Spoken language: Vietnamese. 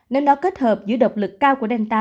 nên nó kết hợp giữa độc lực cao của delta